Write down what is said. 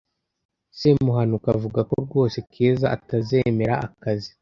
semuhanuka avuga ko rwose keza atazemera akazi